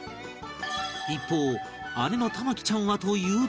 一方姉の珠生ちゃんはというと